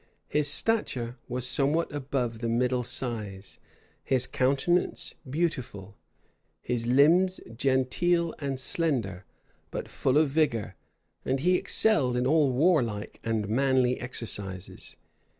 His stature was somewhat above the middle size; his countenance beautiful; his limbs genteel and slender, but full of vigor; and he excelled in all warlike and manly exercises.